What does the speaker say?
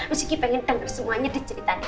miss gigi pengen denger semuanya di ceritanya